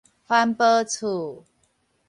番婆厝